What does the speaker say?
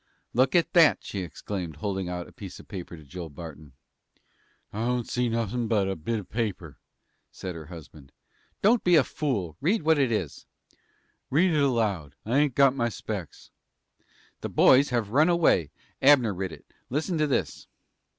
"Look at that," she exclaimed, holding out a scrap of paper to Joel Barton. "I don't see nothin' but a bit of paper," said her husband. "Don't be a fool! Read what it is." "Read it aloud. I ain't got my specks." "The boys have run away. Abner writ it. Listen to this."